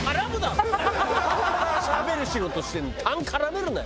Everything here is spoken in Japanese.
「しゃべる仕事してるのにタン絡めるなよ！」